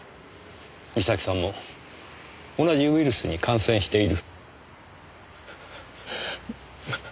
美咲さんも同じウイルスに感染している。